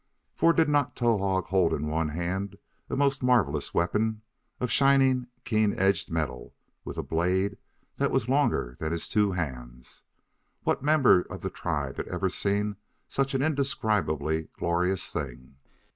For did not Towahg hold in one hand a most marvelous weapon of shining, keen edged metal, with a blade that was longer than his two hands? What member of the tribe had ever seen such an indescribably glorious thing?